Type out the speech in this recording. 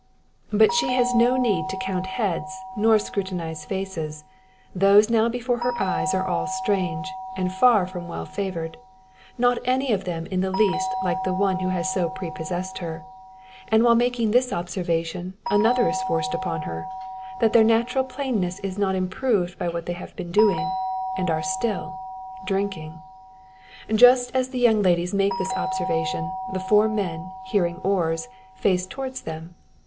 But she has no need to count heads, nor scrutinise faces. Those now before her eyes are all strange, and far from well favoured; not any of them in the least like the one which has so prepossessed her. And while making this observation another is forced upon her that their natural plainness is not improved by what they have been doing, and are still drinking. Just as the young ladies make this observation, the four men, hearing oars, face towards them.